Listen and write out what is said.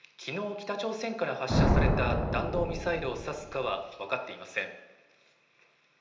北朝鮮から発射された弾道ミサイルを指すかは分かっていません。